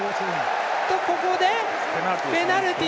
ここでペナルティ。